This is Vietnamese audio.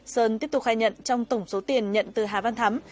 sơn tiếp tục khai nhận trong tổng số tiền nhận từ hà văn thắm